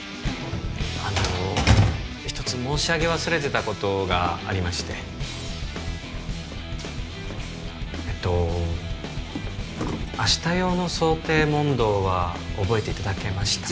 あの一つ申し上げ忘れてたことがありましてえっと明日用の想定問答は覚えていただけました？